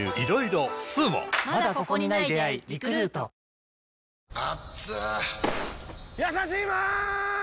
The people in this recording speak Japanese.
「ビオレ」やさしいマーン！！